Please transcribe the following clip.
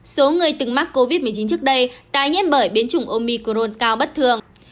số người từng mắc covid một mươi chín trước đây tái nhiễm bởi biến chủng omicron cao bất thường